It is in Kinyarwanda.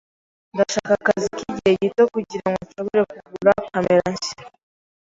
Ndashaka akazi k'igihe gito kugirango nshobore kugura kamera nshya.